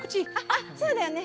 あっそうだよね。